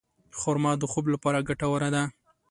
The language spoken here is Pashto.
خرما د خوب لپاره ګټوره ده.